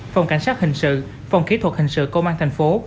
phòng cảnh sát hình sự phòng kỹ thuật hình sự công an thành phố